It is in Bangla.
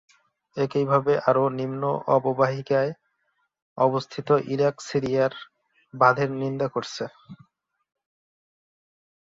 একইভাবে আরও নিম্ন অববাহিকায় অবস্থিত ইরাক সিরিয়ার বাঁধের নিন্দা করেছে।